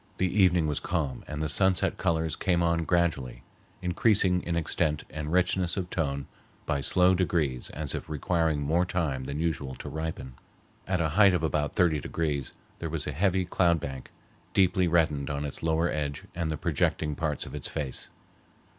The evening was calm and the sunset colors came on gradually, increasing in extent and richness of tone by slow degrees as if requiring more time than usual to ripen. At a height of about thirty degrees there was a heavy cloud bank, deeply reddened on its lower edge and the projecting parts of its face.